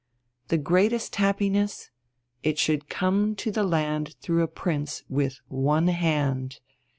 "The greatest happiness?" It should come to the land through a Prince "with one hand."